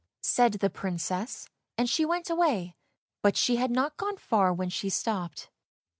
" said the Princess, and she went away, but she had not gone far when she stopped.